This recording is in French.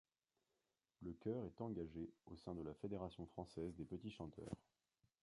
Le chœur est engagé au sein de la Fédération Française des Petits Chanteurs.